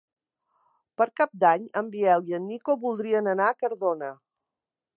Per Cap d'Any en Biel i en Nico voldrien anar a Cardona.